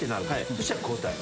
そしたら交代。